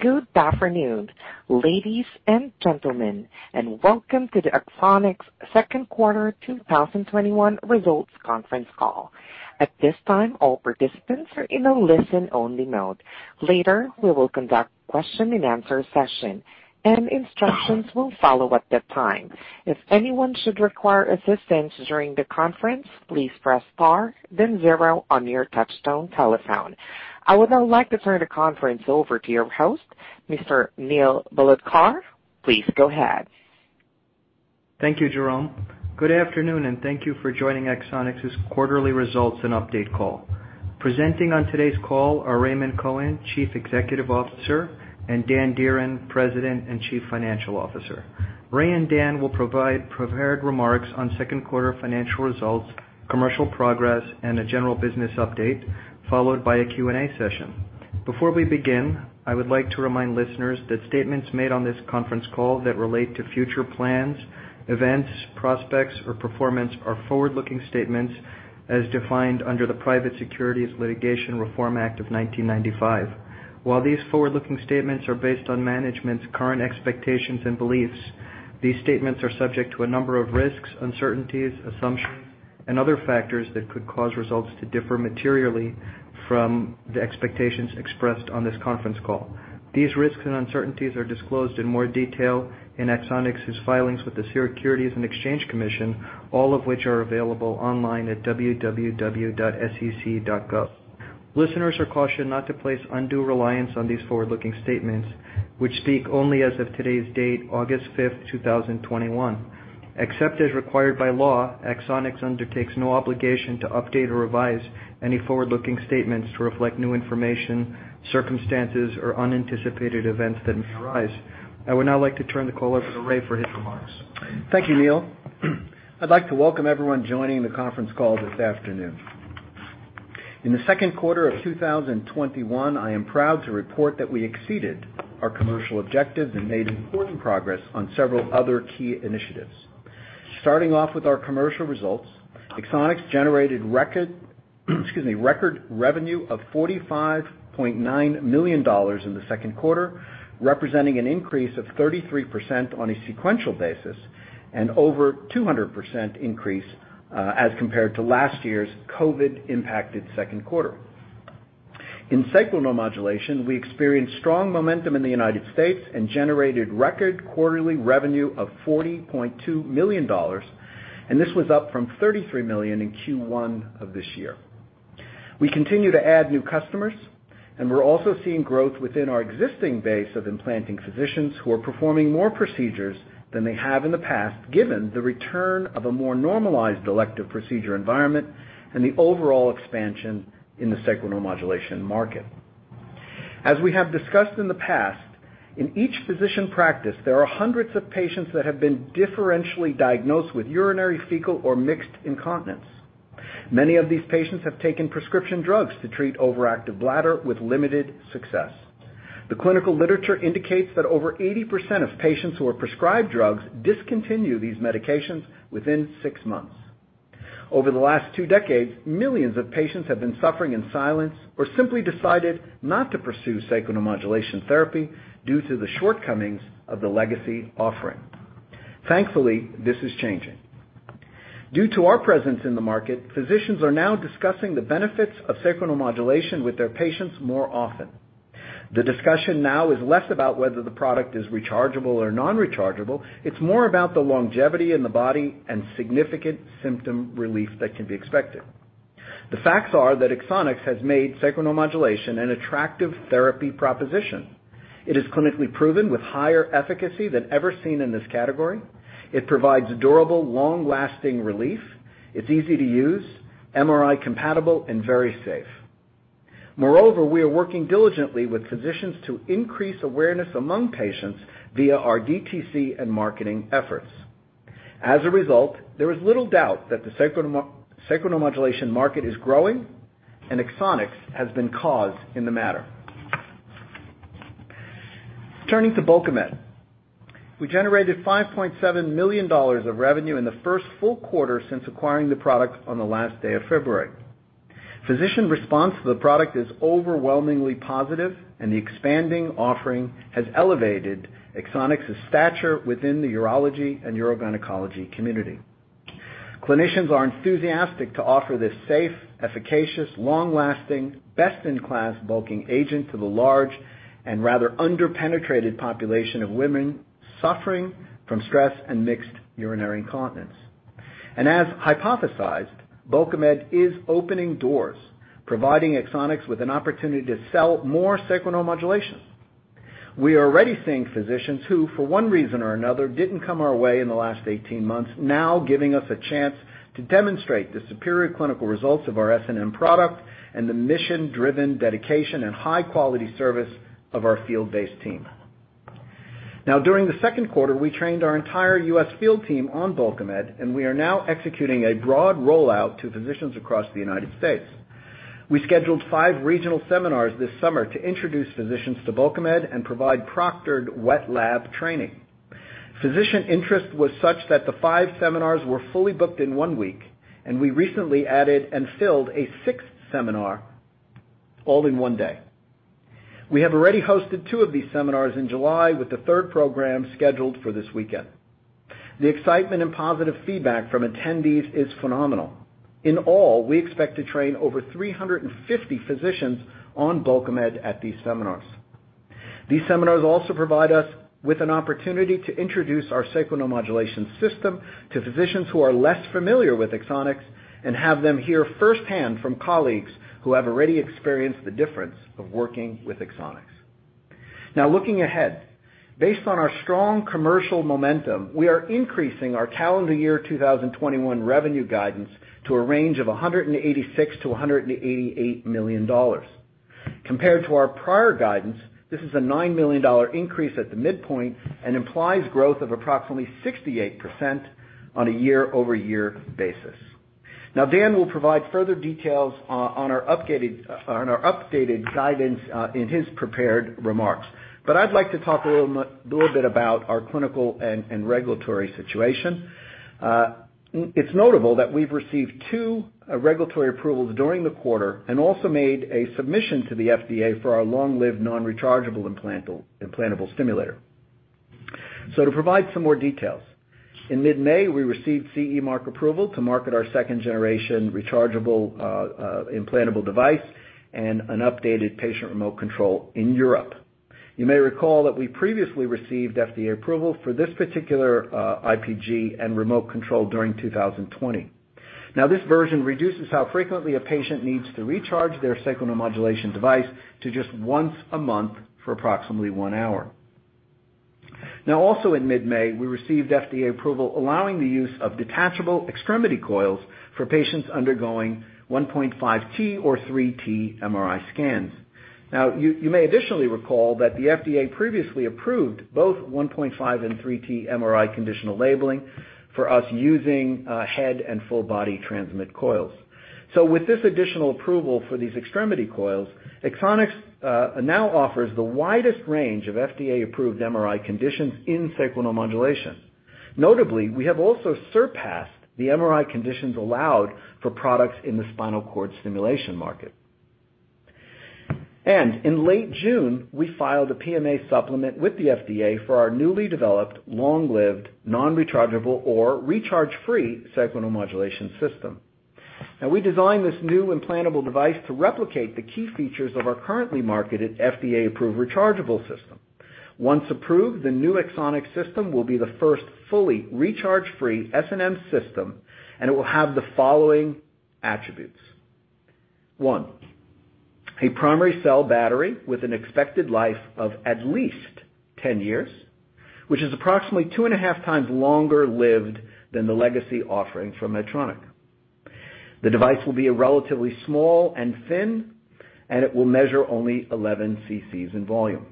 Good afternoon, ladies and gentlemen, and welcome to the Axonics second quarter 2021 results conference call. At this time, all participants are in a listen-only mode. Later, we will conduct a question and answer session, and instructions will follow at that time. If anyone should require assistance during the conference, please press star then zero on your touchtone telephone. I would now like to turn the conference over to your host, Mr. Neil Bhalodkar. Please go ahead. Thank you, Jerome. Good afternoon, and thank you for joining Axonics' quarterly results and update call. Presenting on today's call are Raymond Cohen, Chief Executive Officer, and Dan Dearen, President and Chief Financial Officer. Ray and Dan will provide prepared remarks on second quarter financial results, commercial progress, and a general business update, followed by a Q&A session. Before we begin, I would like to remind listeners that statements made on this conference call that relate to future plans, events, prospects, or performance are forward-looking statements as defined under the Private Securities Litigation Reform Act of 1995. While these forward-looking statements are based on management's current expectations and beliefs, these statements are subject to a number of risks, uncertainties, assumptions, and other factors that could cause results to differ materially from the expectations expressed on this conference call. These risks and uncertainties are disclosed in more detail in Axonics' filings with the Securities and Exchange Commission, all of which are available online at www.sec.gov. Listeners are cautioned not to place undue reliance on these forward-looking statements, which speak only as of today's date, August 5th, 2021. Except as required by law, Axonics undertakes no obligation to update or revise any forward-looking statements to reflect new information, circumstances, or unanticipated events that may arise. I would now like to turn the call over to Ray for his remarks. Thank you, Neil. I'd like to welcome everyone joining the conference call this afternoon. In the second quarter of 2021, I am proud to report that we exceeded our commercial objectives and made important progress on several other key initiatives. Starting off with our commercial results, Axonics generated record revenue of $45.9 million in the second quarter, representing an increase of 33% on a sequential basis and over 200% increase as compared to last year's COVID-impacted second quarter. In Sacral Neuromodulation, we experienced strong momentum in the U.S. and generated record quarterly revenue of $40.2 million. This was up from $33 million in Q1 of this year. We continue to add new customers, and we're also seeing growth within our existing base of implanting physicians who are performing more procedures than they have in the past, given the return of a more normalized elective procedure environment and the overall expansion in the Sacral Neuromodulation market. As we have discussed in the past, in each physician practice, there are hundreds of patients that have been differentially diagnosed with urinary, fecal, or mixed incontinence. Many of these patients have taken prescription drugs to treat overactive bladder with limited success. The clinical literature indicates that over 80% of patients who are prescribed drugs discontinue these medications within six months. Over the last two decades, millions of patients have been suffering in silence or simply decided not to pursue sacral neuromodulation therapy due to the shortcomings of the legacy offering. Thankfully, this is changing. Due to our presence in the market, physicians are now discussing the benefits of sacral neuromodulation with their patients more often. The discussion now is less about whether the product is rechargeable or non-rechargeable. It's more about the longevity in the body and significant symptom relief that can be expected. The facts are that Axonics has made Sacral Neuromodulation an attractive therapy proposition. It is clinically proven with higher efficacy than ever seen in this category. It provides durable, long-lasting relief. It's easy to use, MRI-compatible, and very safe. We are working diligently with physicians to increase awareness among patients via our DTC and marketing efforts. There is little doubt that the sacral neuromodulation market is growing, and Axonics has been cause in the matter. Turning to Bulkamid, we generated $5.7 million of revenue in the first full quarter since acquiring the product on the last day of February. Physician response to the product is overwhelmingly positive, and the expanding offering has elevated Axonics' stature within the urology and urogynecology community. Clinicians are enthusiastic to offer this safe, efficacious, long-lasting, best-in-class bulking agent to the large and rather under-penetrated population of women suffering from stress and mixed urinary incontinence. As hypothesized, Bulkamid is opening doors, providing Axonics with an opportunity to sell more sacral neuromodulation. We are already seeing physicians who, for one reason or another, didn't come our way in the last 18 months now giving us a chance to demonstrate the superior clinical results of our SNM product and the mission-driven dedication and high-quality service of our field-based team. During the second quarter, we trained our entire U.S. field team on Bulkamid, and we are now executing a broad rollout to physicians across the United States. We scheduled five regional seminars this summer to introduce physicians to Bulkamid and provide proctored wet lab training. Physician interest was such that the five seminars were fully booked in one week, and we recently added and filled a sixth seminar all in one day. We have already hosted two of these seminars in July, with the third program scheduled for this weekend. The excitement and positive feedback from attendees is phenomenal. In all, we expect to train over 350 physicians on Bulkamid at these seminars. These seminars also provide us with an opportunity to introduce our Axonics Sacral Neuromodulation System to physicians who are less familiar with Axonics and have them hear firsthand from colleagues who have already experienced the difference of working with Axonics. Looking ahead, based on our strong commercial momentum, we are increasing our calendar year 2021 revenue guidance to a range of $186 million-$188 million. Compared to our prior guidance, this is a $9 million increase at the midpoint and implies growth of approximately 68% on a year-over-year basis. Dan will provide further details on our updated guidance in his prepared remarks, I'd like to talk a little bit about our clinical and regulatory situation. It's notable that we've received two regulatory approvals during the quarter and also made a submission to the FDA for our long-lived, non-rechargeable implantable stimulator. To provide some more details, in mid-May, we received CE mark approval to market our second-generation rechargeable implantable device and an updated patient remote control in Europe. You may recall that we previously received FDA approval for this particular IPG and remote control during 2020. This version reduces how frequently a patient needs to recharge their sacral neuromodulation device to just once a month for approximately one hour. Also in mid-May, we received FDA approval allowing the use of detachable extremity coils for patients undergoing 1.5T or 3T MRI scans. You may additionally recall that the FDA previously approved both 1.5 and 3T MRI conditional labeling for us using head and full-body transmit coils. With this additional approval for these extremity coils, Axonics now offers the widest range of FDA-approved MRI conditions in sacral neuromodulation. Notably, we have also surpassed the MRI conditions allowed for products in the spinal cord stimulation market. In late June, we filed a PMA supplement with the FDA for our newly developed long-lived, non-rechargeable or recharge-free sacral neuromodulation system. We designed this new implantable device to replicate the key features of our currently marketed FDA-approved rechargeable system. Once approved, the new Axonics system will be the first fully recharge-free SNM system, and it will have the following attributes. One, a primary cell battery with an expected life of at least 10 years, which is approximately 2.5 times longer lived than the legacy offering from Medtronic. The device will be relatively small and thin, and it will measure only 11 CCs in volume.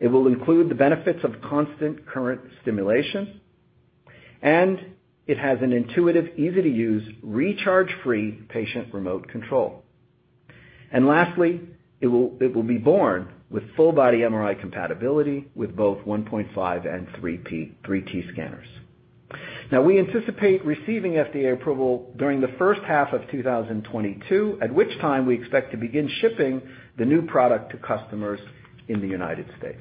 It will include the benefits of constant current stimulation, and it has an intuitive, easy-to-use, recharge-free patient remote control. Lastly, it will be born with full-body MRI compatibility with both 1.5T and 3T scanners. We anticipate receiving FDA approval during the first half of 2022, at which time we expect to begin shipping the new product to customers in the U.S.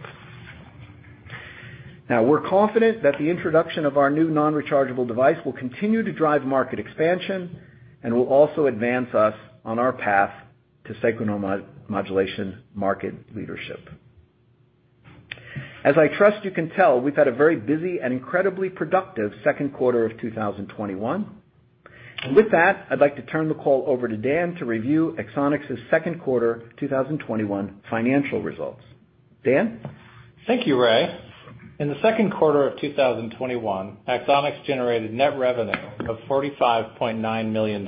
We're confident that the introduction of our new non-rechargeable device will continue to drive market expansion and will also advance us on our path to sacral neuromodulation market leadership. As I trust you can tell, we've had a very busy and incredibly productive second quarter of 2021. With that, I'd like to turn the call over to Dan to review Axonics' second quarter 2021 financial results. Dan. Thank you, Ray. In the second quarter of 2021, Axonics generated net revenue of $45.9 million.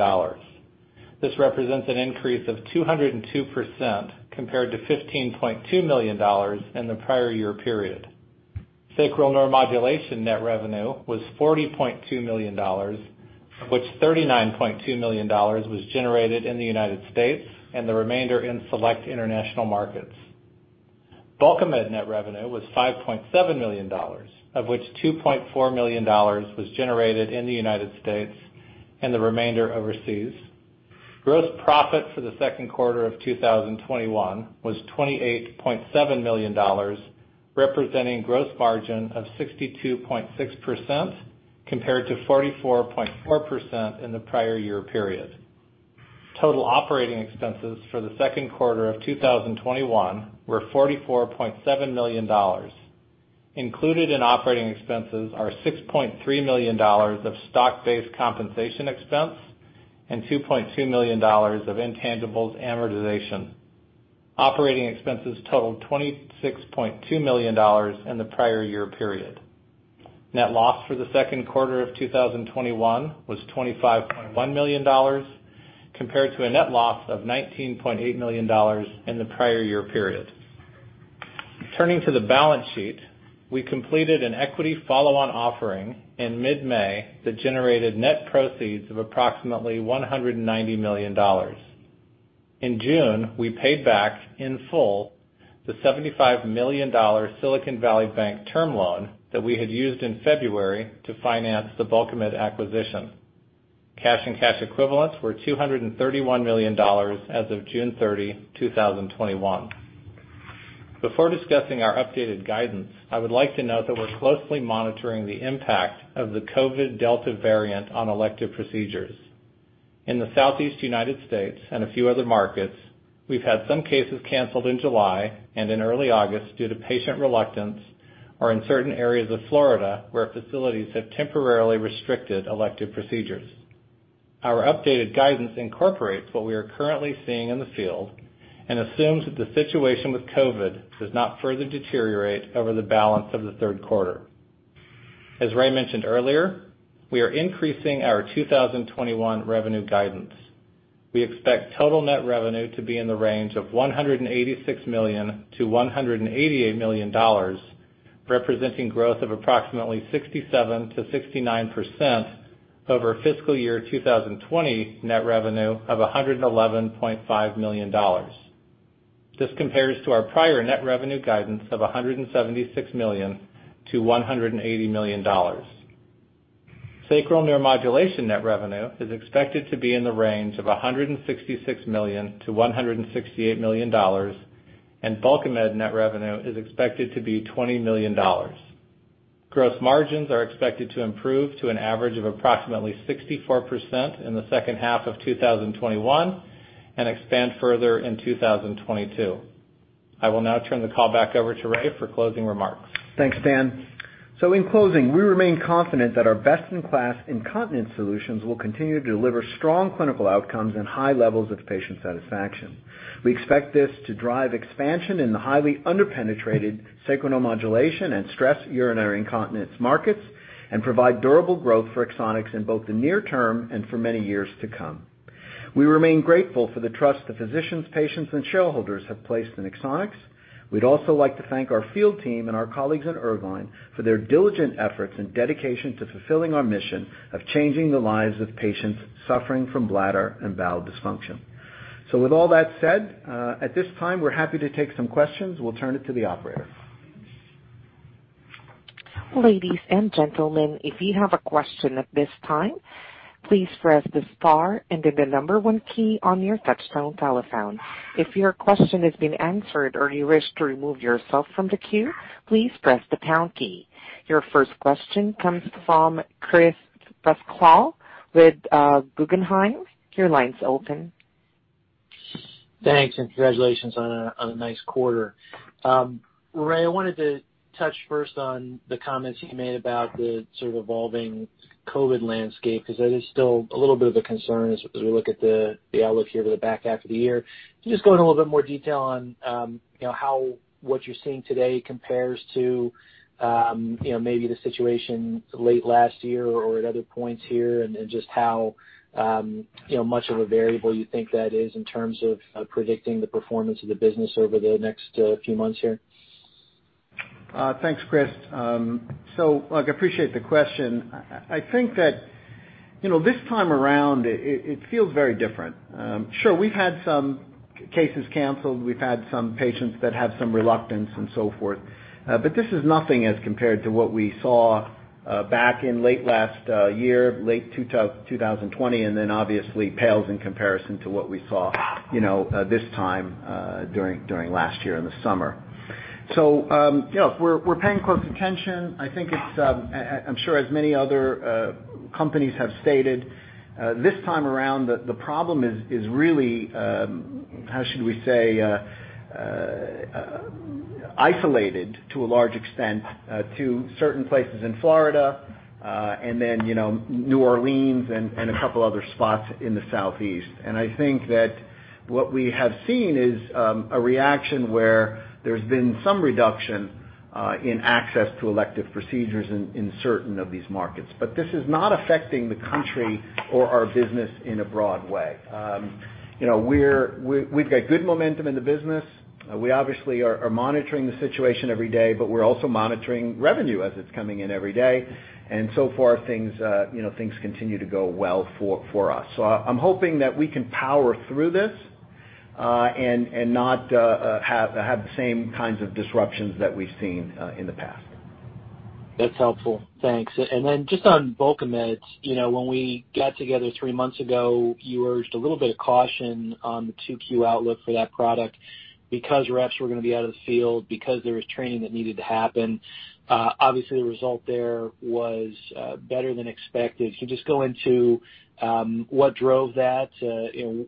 This represents an increase of 202% compared to $15.2 million in the prior year period. Sacral Neuromodulation net revenue was $40.2 million, of which $39.2 million was generated in the United States and the remainder in select international markets. Bulkamid net revenue was $5.7 million, of which $2.4 million was generated in the United States and the remainder overseas. Gross profit for the second quarter of 2021 was $28.7 million, representing gross margin of 62.6% compared to 44.4% in the prior year period. Total operating expenses for the second quarter of 2021 were $44.7 million. Included in operating expenses are $6.3 million of stock-based compensation expense and $2.2 million of intangibles amortization. Operating expenses totaled $26.2 million in the prior year period. Net loss for the second quarter of 2021 was $25.1 million, compared to a net loss of $19.8 million in the prior year period. Turning to the balance sheet, we completed an equity follow-on offering in mid-May that generated net proceeds of approximately $190 million. In June, we paid back in full the $75 million Silicon Valley Bank term loan that we had used in February to finance the Bulkamid acquisition. Cash and cash equivalents were $231 million as of June 30, 2021. Before discussing our updated guidance, I would like to note that we're closely monitoring the impact of the COVID-19 Delta variant on elective procedures. In the Southeast U.S. and a few other markets, we've had some cases canceled in July and in early August due to patient reluctance, or in certain areas of Florida, where facilities have temporarily restricted elective procedures. Our updated guidance incorporates what we are currently seeing in the field and assumes that the situation with COVID does not further deteriorate over the balance of the third quarter. As Ray mentioned earlier, we are increasing our 2021 revenue guidance. We expect total net revenue to be in the range of $186 million-$188 million, representing growth of approximately 67%-69% over fiscal year 2020 net revenue of $111.5 million. This compares to our prior net revenue guidance of $176 million-$180 million. Sacral neuromodulation net revenue is expected to be in the range of $166 million-$168 million, and Bulkamid net revenue is expected to be $20 million. Gross margins are expected to improve to an average of approximately 64% in the second half of 2021 and expand further in 2022. I will now turn the call back over to Ray for closing remarks. Thanks, Dan. In closing, we remain confident that our best-in-class incontinence solutions will continue to deliver strong clinical outcomes and high levels of patient satisfaction. We expect this to drive expansion in the highly under-penetrated sacral neuromodulation and stress urinary incontinence markets and provide durable growth for Axonics in both the near term and for many years to come. We remain grateful for the trust the physicians, patients, and shareholders have placed in Axonics. We'd also like to thank our field team and our colleagues at Irvine for their diligent efforts and dedication to fulfilling our mission of changing the lives of patients suffering from bladder and bowel dysfunction. With all that said, at this time, we're happy to take some questions. We'll turn it to the operator. Ladies and gentlemen, if you have a question at this time, please press the star and then the number one key on your touchtone telephone. If your question has been answered or you wish to remove yourself from the queue, please press the pound key. Your first question comes from Chris Pasquale with Guggenheim. Your line's open. Thanks, and congratulations on a nice quarter. Ray, I wanted to touch first on the comments you made about the sort of evolving COVID landscape, because that is still a little bit of a concern as we look at the outlook here for the back half of the year. Can you just go into a little bit more detail on what you're seeing today compares to maybe the situation late last year or at other points here, and just how much of a variable you think that is in terms of predicting the performance of the business over the next few months here? Thanks, Chris. Look, I appreciate the question. I think that this time around, it feels very different. Sure, we've had some cases canceled. We've had some patients that have some reluctance and so forth. This is nothing as compared to what we saw back in late last year; late 2020, obviously, pales in comparison to what we saw this time during last year in the summer. We're paying close attention. I'm sure as many other companies have stated, this time around, the problem is really, how should we say, isolated to a large extent to certain places in Florida, New Orleans, and two other spots in the Southeast. I think that what we have seen is a reaction where there's been some reduction in access to elective procedures in certain of these markets. This is not affecting the country or our business in a broad way. We've got good momentum in the business. We obviously are monitoring the situation every day, but we're also monitoring revenue as it's coming in every day. So far, things continue to go well for us. I'm hoping that we can power through this and not have the same kinds of disruptions that we've seen in the past. That's helpful. Thanks. Just on Bulkamid, when we got together three months ago, you urged a little bit of caution on the 2Q outlook for that product because reps were going to be out of the field because there was training that needed to happen. Obviously, the result there was better than expected. Can you just go into what drove that?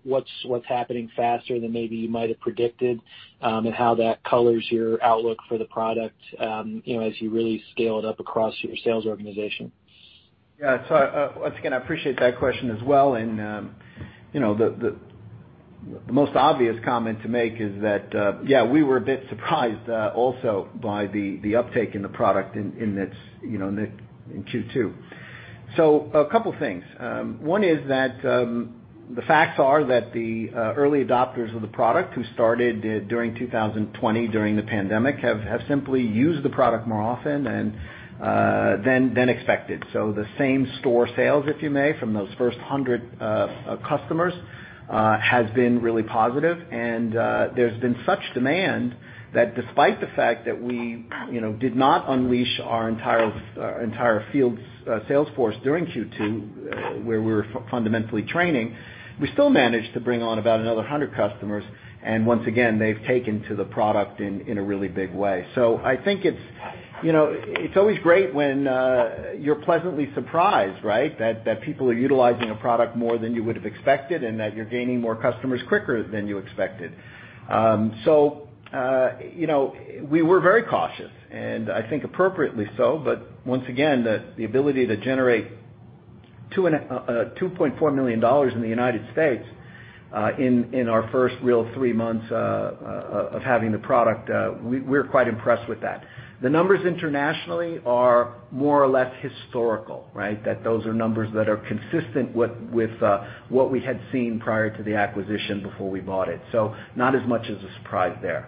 What's happening faster than maybe you might have predicted, how that color your outlook for the product as you really scale it up across your sales organization? Once again, I appreciate that question as well. The most obvious comment to make is that, yeah, we were a bit surprised also by the uptake in the product in Q2. A couple things. One is that the facts are that the early adopters of the product who started during 2020, during the pandemic, have simply used the product more often than expected. The same store sales, if you may, from those first 100 customers, has been really positive. There's been such demand that despite the fact that we did not unleash our entire field sales force during Q2, where we were fundamentally training, we still managed to bring on about another 100 customers, and once again, they've taken to the product in a really big way. I think it's always great when you're pleasantly surprised that people are utilizing a product more than you would've expected and that you're gaining more customers quicker than you expected. We were very cautious, and I think appropriately so, but once again, the ability to generate $2.4 million in the U.S. in our first real three months of having the product—we're quite impressed with that. The numbers internationally are more or less historical. Those are numbers that are consistent with what we had seen prior to the acquisition before we bought it. Not as much as a surprise there.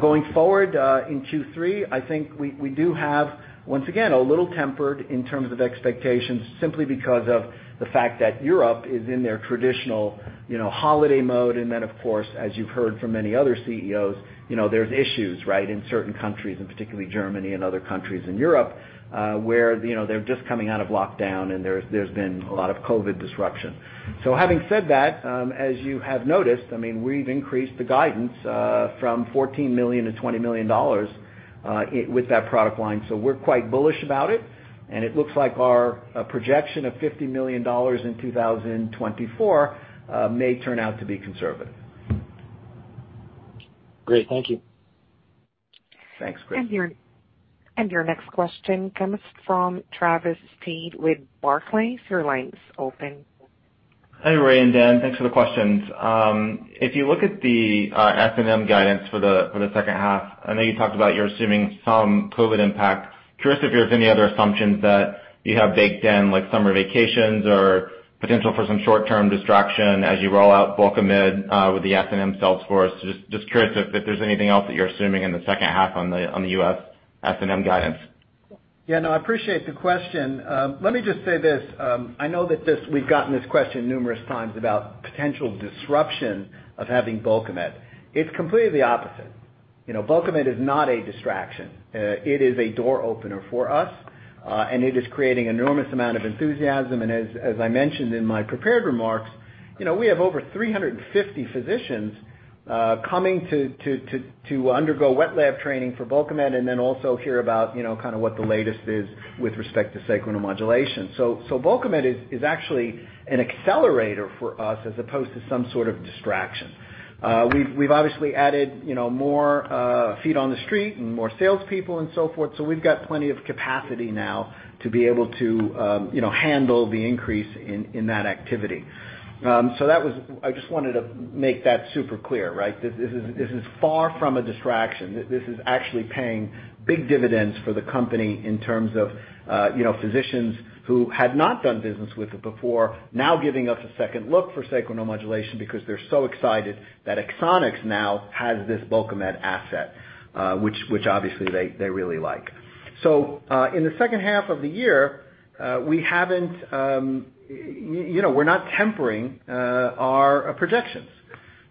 Going forward, in Q3, I think we do have, once again, a little tempered in terms of expectations simply because of the fact that Europe is in their traditional holiday mode. Then, of course, as you've heard from many other CEOs, there's issues in certain countries, and particularly Germany and other countries in Europe, where they're just coming out of lockdown and there's been a lot of COVID-19 disruption. Having said that, as you have noticed, we've increased the guidance from $14 million to $20 million with that product line. We're quite bullish about it, and it looks like our projection of $50 million in 2024 may turn out to be conservative. Great. Thank you. Thanks, Chris. Your next question comes from Travis Steed with Barclays. Your line's open. Hi, Ray and Dan. Thanks for the questions. If you look at the SNM guidance for the second half, I know you talked about you're assuming some COVID impact. Curious if there's any other assumptions that you have baked in, like summer vacations or potential for some short-term distraction as you roll out Bulkamid with the SNM sales force. Just curious if there's anything else that you're assuming in the second half on the U.S. SNM guidance. Yeah, no. I appreciate the question. Let me just say this. I know that we've gotten this question numerous times about potential disruption of having Bulkamid. It's completely the opposite. Bulkamid is not a distraction. It is a door opener for us, and it is creating enormous amount of enthusiasm. As I mentioned in my prepared remarks, we have over 350 physicians coming to undergo wet lab training for Bulkamid and then also hear about what the latest is with respect to sacral neuromodulation. Bulkamid is actually an accelerator for us as opposed to some sort of distraction. We've obviously added more feet on the street and more salespeople and so forth, so we've got plenty of capacity now to be able to handle the increase in that activity. I just wanted to make that super clear. This is far from a distraction. This is actually paying big dividends for the company in terms of physicians who had not done business with it before now giving us a second look for sacral neuromodulation because they're so excited that Axonics now has this Bulkamid asset, which obviously they really like. In the second half of the year, we're not tempering our projections.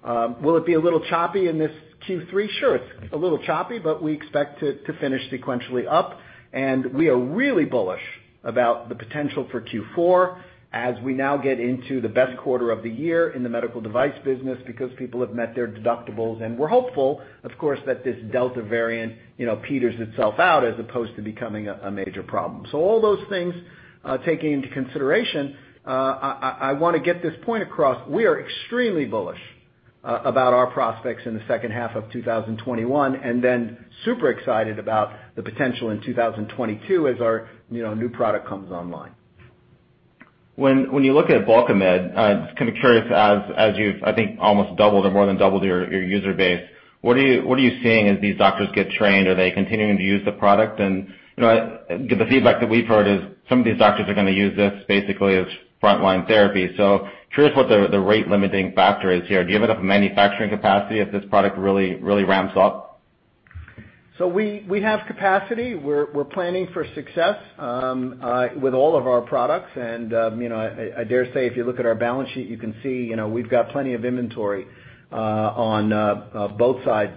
Will it be a little choppy in this Q3? Sure. It's a little choppy, but we expect to finish sequentially up, and we are really bullish about the potential for Q4 as we now get into the best quarter of the year in the medical device business because people have met their deductibles. We're hopeful, of course, that this Delta variant peters itself out as opposed to becoming a major problem. All those things, taking into consideration, I want to get this point across. We are extremely bullish about our prospects in the second half of 2021 and then super excited about the potential in 2022 as our new product comes online. When you look at Bulkamid, just curious, as you've, I think, almost doubled or more than doubled your user base, what are you seeing as these doctors get trained? Are they continuing to use the product? The feedback that we've heard is some of these doctors are going to use this basically as frontline therapy. Curious what the rate-limiting factor is here. Do you have enough manufacturing capacity if this product really ramps up? We have capacity. We're planning for success with all of our products. I dare say, if you look at our balance sheet, you can see we've got plenty of inventory on both sides,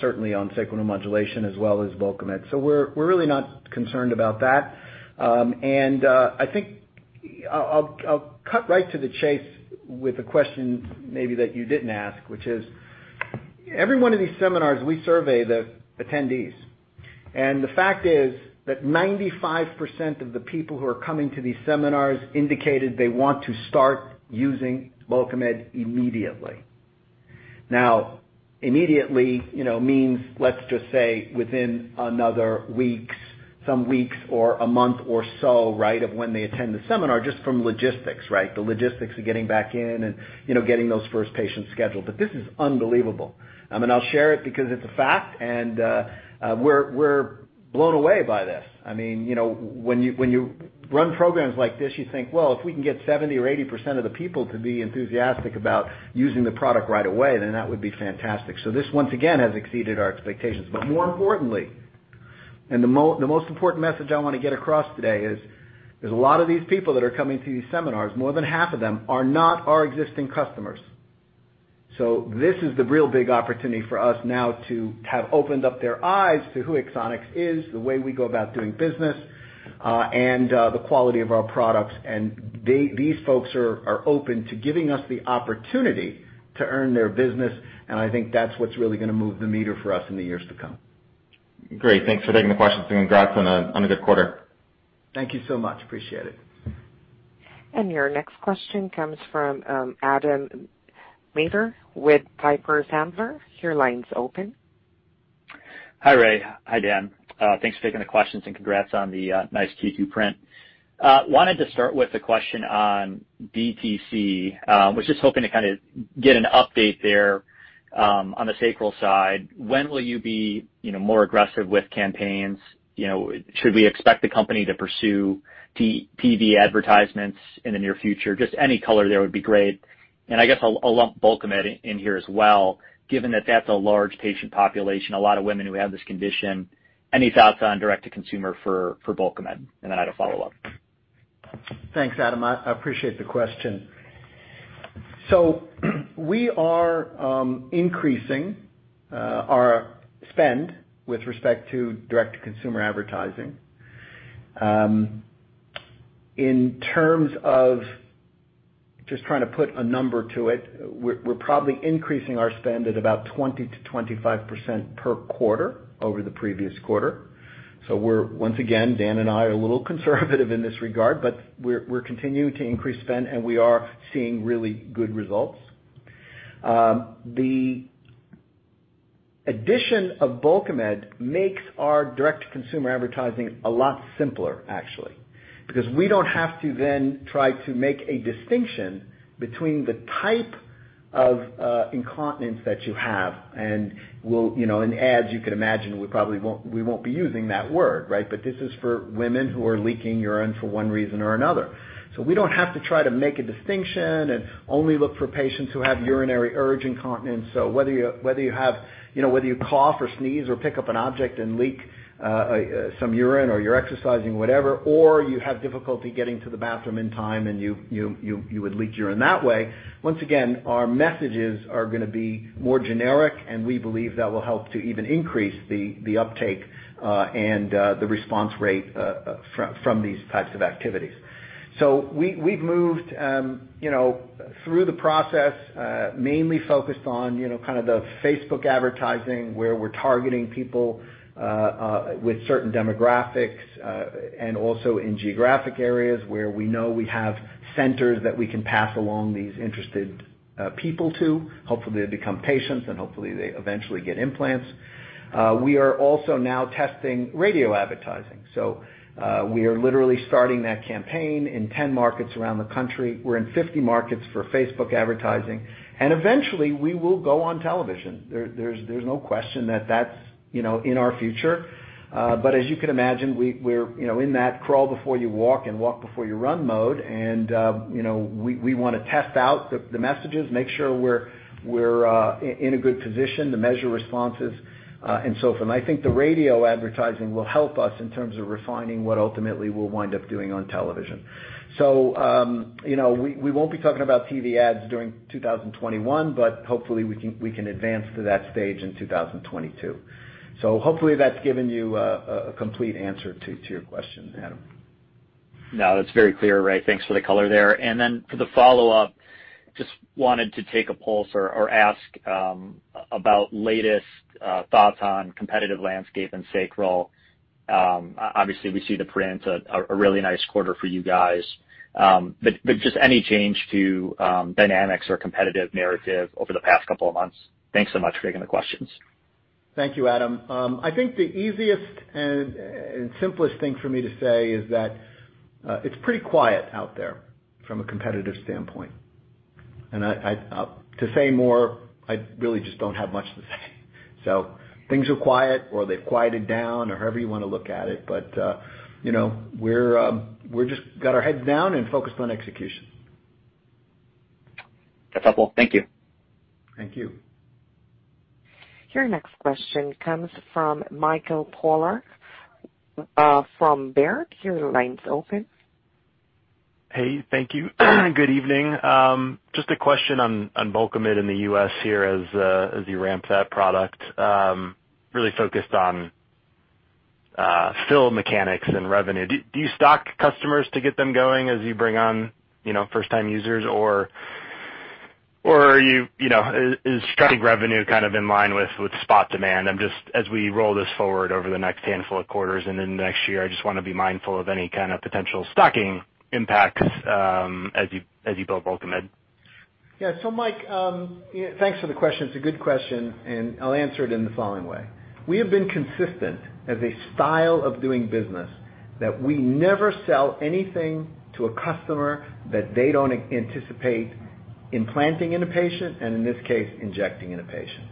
certainly on Sacral Neuromodulation as well as Bulkamid. We're really not concerned about that. I think I'll cut right to the chase with a question maybe that you didn't ask, which is, every one of these seminars, we survey the attendees. The fact is that 95% of the people who are coming to these seminars indicated they want to start using Bulkamid immediately. Now, "immediately" means, let's just say, within some weeks or a month or so of when they attend the seminar, just from logistics. The logistics of getting back in and getting those first patients scheduled. This is unbelievable. I'll share it because it's a fact, and we're blown away by this. When you run programs like this, you think, well, if we can get 70% or 80% of the people to be enthusiastic about using the product right away, then that would be fantastic. This, once again, has exceeded our expectations. More importantly, and the most important message I want to get across today is, there's a lot of these people that are coming to these seminars, more than half of them, are not our existing customers. This is the real big opportunity for us now to have opened up their eyes to who Axonics is, the way we go about doing business, and the quality of our products. These folks are open to giving us the opportunity to earn their business, and I think that's what's really going to move the meter for us in the years to come. Great. Thanks for taking the questions and congrats on a good quarter. Thank you so much. Appreciate it. Your next question comes from Adam Maeder with Piper Sandler. Your line's open. Hi, Ray. Hi, Dan. Thanks for taking the questions and congrats on the nice Q2 print. Wanted to start with a question on DTC. Was just hoping to kind of get an update there on the sacral side. When will you be more aggressive with campaigns? Should we expect the company to pursue TV advertisements in the near future? Just any color there would be great. I guess I'll lump Bulkamid in here as well, given that that's a large patient population, a lot of women who have this condition. Any thoughts on direct-to-consumer for Bulkamid? Then I had a follow-up. Thanks, Adam. I appreciate the question. We are increasing our spend with respect to direct-to-consumer advertising. In terms of just trying to put a number to it, we're probably increasing our spend at about 20%-25% per quarter over the previous quarter. We're, once again, Dan and I are a little conservative in this regard, but we're continuing to increase spend, and we are seeing really good results. The addition of Bulkamid makes our direct-to-consumer advertising a lot simpler, actually, because we don't have to then try to make a distinction between the type of incontinence that you have. In ads, you can imagine we won't be using that word, right? This is for women who are leaking urine for one reason or another. We don't have to try to make a distinction and only look for patients who have urinary urge incontinence. Whether you cough or sneeze or pick up an object and leak some urine, or you're exercising, or whatever, or you have difficulty getting to the bathroom in time and you would leak urine that way. Once again, our messages are going to be more generic, and we believe that will help to even increase the uptake and the response rate from these types of activities. We've moved through the process, mainly focused on kind of the Facebook advertising, where we're targeting people with certain demographics, and also in geographic areas where we know we have centers that we can pass along these interested people to. Hopefully, they become patients, and hopefully they eventually get implants. We are also now testing radio advertising. We are literally starting that campaign in 10 markets around the country. We're in 50 markets for Facebook advertising. Eventually, we will go on television. There's no question that that's in our future. As you can imagine, we're in that crawl before you walk and walk before you run mode. We want to test out the messages, make sure we're in a good position to measure responses, and so forth. I think the radio advertising will help us in terms of refining what ultimately we'll wind up doing on television. We won't be talking about TV ads during 2021, but hopefully we can advance to that stage in 2022. Hopefully that's given you a complete answer to your question. Adam. No, that's very clear, Ray. Thanks for the color there. Then for the follow-up, I just wanted to take a pulse or ask about latest thoughts on competitive landscape and Sacral. Obviously, we see the prints; a really nice quarter for you guys. Just any change to dynamics or competitive narrative over the past couple of months? Thanks so much for taking the questions. Thank you, Adam. I think the easiest and simplest thing for me to say is that it's pretty quiet out there from a competitive standpoint. To say more, I really just don't have much to say. Things are quiet, or they've quieted down, or however you want to look at it. We just got our heads down and focused on execution. That's helpful. Thank you. Thank you. Your next question comes from Michael Polark from Baird. Your line's open. Hey, thank you. Good evening. Just a question on Bulkamid in the U.S. here as you ramp that product. Really focused on fill mechanics and revenue. Do you stock customers to get them going as you bring on first-time users? Is tracking revenue kind of in line with spot demand? As we roll this forward over the next handful of quarters and into next year, I just want to be mindful of any kind of potential stocking impacts as you build Bulkamid. Mike, thanks for the question. It's a good question, and I'll answer it in the following way. We have been consistent as a style of doing business that we never sell anything to a customer that they don't anticipate implanting in a patient, and in this case, injecting in a patient.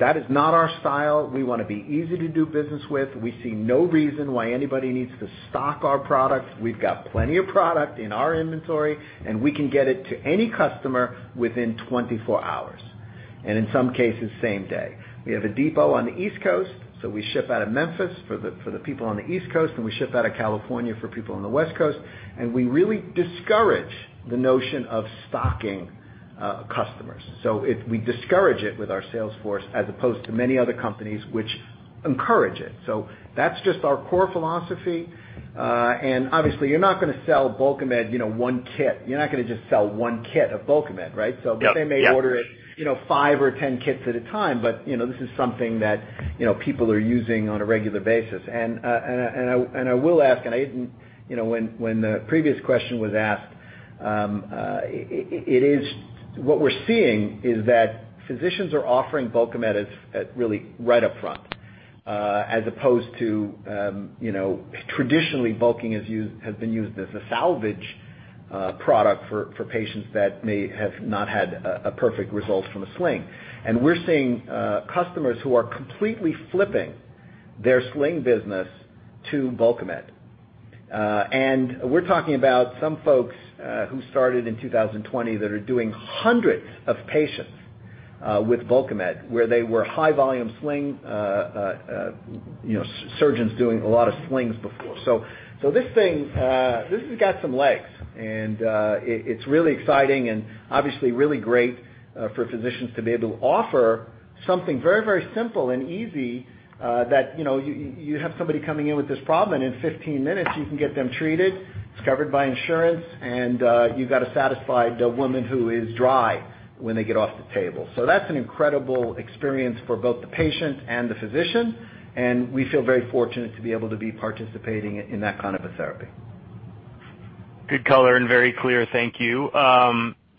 That is not our style. We want to be easy to do business with. We see no reason why anybody needs to stock our products. We've got plenty of product in our inventory, and we can get it to any customer within 24 hours. In some cases, same day. We have a depot on the East Coast, so we ship out of Memphis for the people on the East Coast, and we ship out of California for people on the West Coast, and we really discourage the notion of stocking customers. We discourage it with our sales force as opposed to many other companies, which encourage it. That's just our core philosophy. Obviously you're not going to sell Bulkamid one kit. You're not going to just sell one kit of Bulkamid, right? Yep. They may order it 5 or 10 kits at a time, but this is something that people are using on a regular basis. I will ask, when the previous question was asked, what we're seeing is that physicians are offering Bulkamid as really right up front as opposed to traditionally bulking has been used as a salvage product for patients that may have not had a perfect result from a sling. We're seeing customers who are completely flipping their sling business to Bulkamid. We're talking about some folks who started in 2020 that are doing hundreds of patients with Bulkamid, where they were high-volume sling surgeons doing a lot of slings before. This has got some legs, and it's really exciting and obviously really great for physicians to be able to offer something very, very simple and easy that you have somebody coming in with this problem, and in 15 minutes you can get them treated, it's covered by insurance, and you've got a satisfied woman who is dry when they get off the table. That's an incredible experience for both the patient and the physician, and we feel very fortunate to be able to be participating in that kind of a therapy. Good color and very clear. Thank you.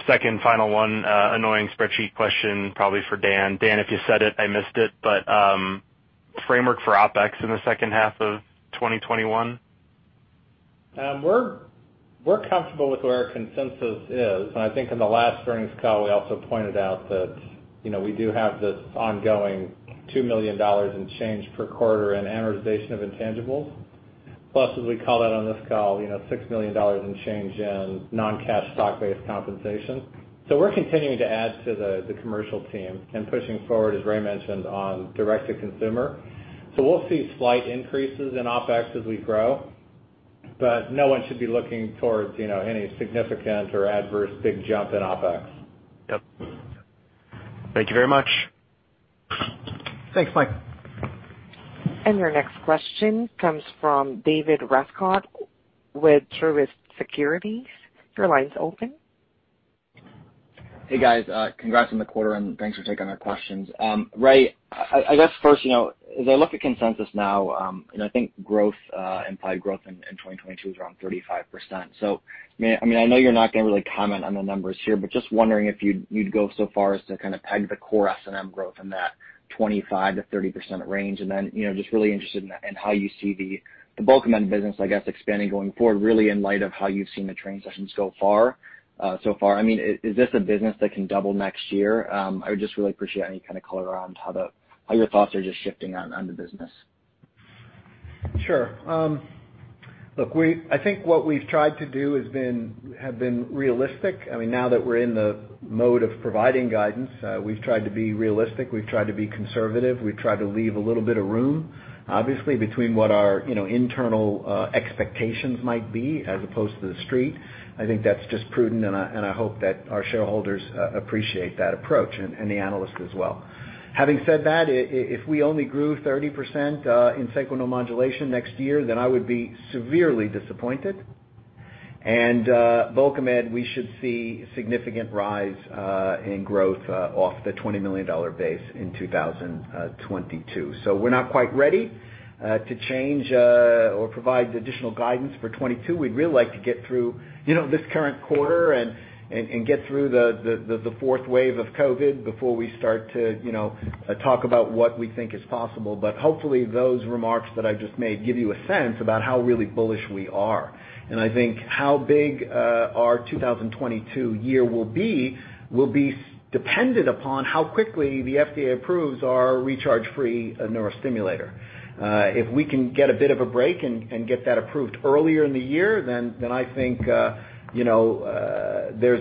Second final one, annoying spreadsheet question probably for Dan. Dan, if you said it, I missed it, but framework for OpEx in the second half of 2021? We're comfortable with where our consensus is, and I think in the last earnings call, we also pointed out that we do have this ongoing $2 million in change per quarter in amortization of intangibles. Plus, as we call that on this call, $6 million in change in non-cash stock-based compensation. We're continuing to add to the commercial team and pushing forward, as Ray mentioned, on direct-to-consumer. We'll see slight increases in OpEx as we grow, but no one should be looking towards any significant or adverse big jump in OpEx. Thank you very much. Thanks, Mike. Your next question comes from David Rescott with Truist Securities. Your line's open. Hey, guys. Congrats on the quarter. Thanks for taking our questions. Raymond Cohen, I guess first, as I look at consensus now, I think implied growth in 2022 is around 35%. I know you're not going to really comment on the numbers here. Just wondering if you'd go so far as to kind of peg the core SNM growth in that 25%-30% range. Just really interested in how you see the Bulkamid business, I guess, expanding going forward, really in light of how you've seen the transitions so far. Is this a business that can double next year? I would just really appreciate any kind of color around how your thoughts are just shifting on the business. Sure. Look, I think what we've tried to do have been realistic. Now that we're in the mode of providing guidance, we've tried to be realistic. We've tried to be conservative. We've tried to leave a little bit of room, obviously, between what our internal expectations might be as opposed to the street. I hope that our shareholders appreciate that approach and the analysts as well. Having said that, if we only grew 30% in sacral neuromodulation next year, then I would be severely disappointed. Bulkamid, we should see significant rise in growth off the $20 million base in 2022. We're not quite ready to change or provide additional guidance for 2022. We'd really like to get through this current quarter and get through the fourth wave of COVID before we start to talk about what we think is possible. Hopefully those remarks that I just made give you a sense about how really bullish we are. I think how big our 2022 year will be dependent upon how quickly the FDA approves our recharge-free neurostimulator. If we can get a bit of a break and get that approved earlier in the year, then I think there's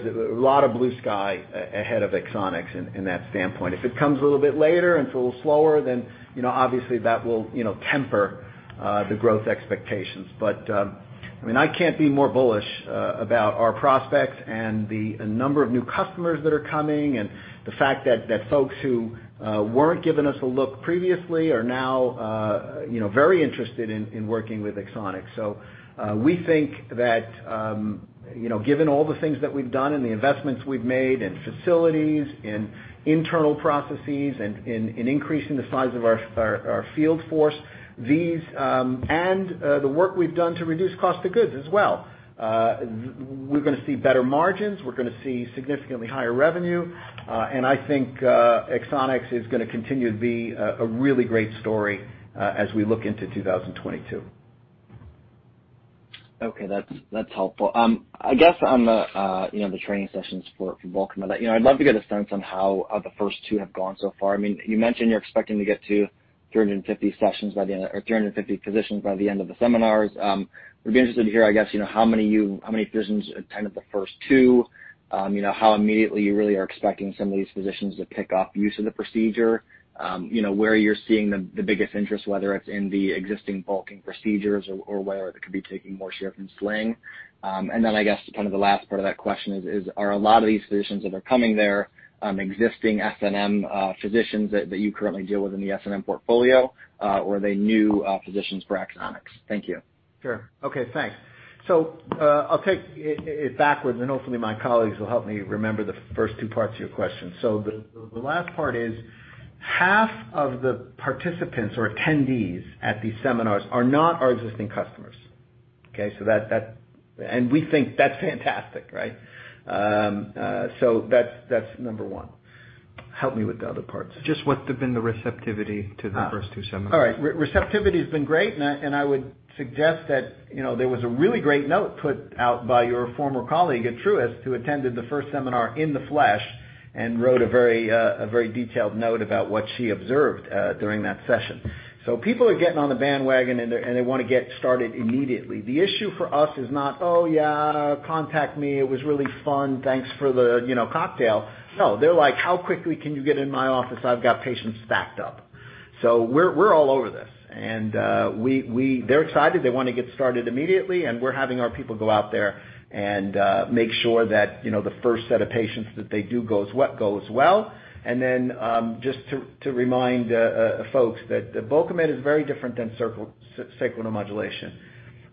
a lot of blue sky ahead of Axonics in that standpoint. If it comes a little bit later and it's a little slower, then obviously that will temper the growth expectations. I can't be more bullish about our prospects and the number of new customers that are coming, and the fact that folks who weren't giving us a look previously are now very interested in working with Axonics. We think that given all the things that we've done and the investments we've made in facilities, in internal processes, in increasing the size of our field force, and the work we've done to reduce cost of goods as well. We're going to see better margins. We're going to see significantly higher revenue. I think Axonics is going to continue to be a really great story as we look into 2022. Okay, that's helpful. I guess on the training sessions for Bulkamid, I'd love to get a sense on how the first two have gone so far. You mentioned you're expecting to get to 350 physicians by the end of the seminars. I'd be interested to hear, I guess, how many physicians attended the first two, how immediately you really are expecting some of these physicians to pick up use of the procedure, where you're seeing the biggest interest, whether it's in the existing bulking procedures or where it could be taking more share from Sling. Then I guess kind of the last part of that question is, are a lot of these physicians that are coming there existing SNM physicians that you currently deal with in the SNM portfolio? Or are they new physicians for Axonics? Thank you. Sure. Okay, thanks. I'll take it backwards, and hopefully my colleagues will help me remember the first two parts of your question. The last part is, half of the participants or attendees at these seminars are not our existing customers. Okay. We think that's fantastic, right? That's number one. Help me with the other parts. Just what have been the receptivity to the first two seminars? All right. Receptivity's been great, and I would suggest that there was a really great note put out by your former colleague at Truist, who attended the first seminar in the flesh and wrote a very detailed note about what she observed during that session. People are getting on the bandwagon, and they want to get started immediately. The issue for us is not, "Oh, yeah, contact me; it was really fun; thanks for the cocktail." No. They're like, "How quickly can you get in my office?" I've got patients stacked up." We're all over this. They're excited. They want to get started immediately, and we're having our people go out there and make sure that the first set of patients that they do goes well. Just to remind folks that Bulkamid is very different than sacral neuromodulation.